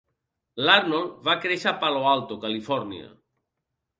L'Arnold va créixer a Palo Alto, California.